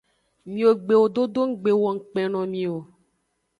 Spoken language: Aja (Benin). Miwo gbewo dodo nggbe wo ngukpe no mi o.